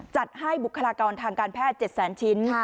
จัดให้บุคลากรทางการแพทย์๗แสนชิ้น